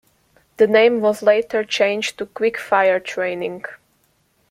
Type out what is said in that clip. The name was later changed to "Quick Fire" training.